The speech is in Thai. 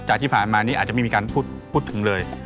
จากที่ผ่านมาอาจจะไม่คิดถึงเลย